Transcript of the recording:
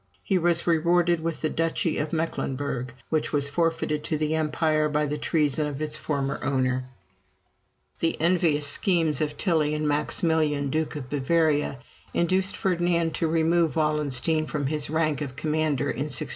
He was rewarded with the duchy of Mecklenburg, which was forfeited to the Empire by the treason of its former owner. The envious schemes of Tilly and Maximilian, Duke of Bavaria, induced Ferdinand to remove Wallenstein from his rank of commander in 1630.